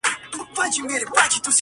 يو په ژړا سي چي يې بل ماسوم ارام سي ربه!